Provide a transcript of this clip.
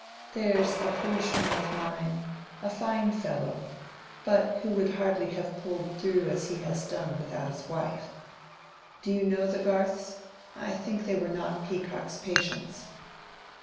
There's a parishioner of mine—a fine fellow, but who would hardly have pulled through as he has done without his wife. Do you know the Garths? I think they were not Peacock's patients."